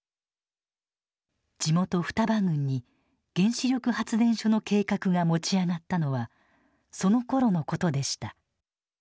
地元双葉郡に原子力発電所の計画が持ち上がったのはそのころのことでした。